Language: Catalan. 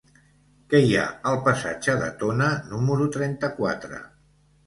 Què hi ha al passatge de Tona número trenta-quatre?